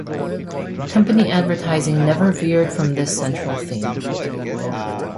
Company advertising never veered from this central theme.